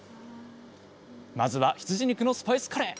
まずは羊肉のスパイスカレー！